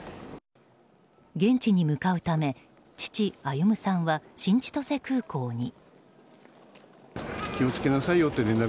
現地に向かうため父・歩さんは新千歳空港に。